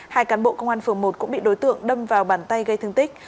hai cán bộ công an phường một cũng bị đối tượng đâm vào bàn tay gây thương tích